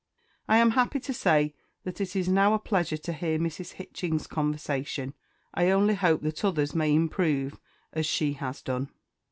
I am happy to say that it is now a pleasure to hear Mrs. Hitching's conversation. I only hope that others may improve as she has done.